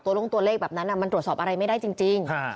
ลงตัวเลขแบบนั้นมันตรวจสอบอะไรไม่ได้จริง